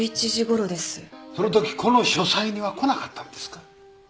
そのときこの書斎には来なかったんですか？